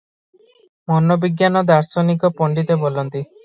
ମନୋବିଜ୍ଞାନ ଦାର୍ଶନିକ ପଣ୍ଡିତେ ବୋଲନ୍ତି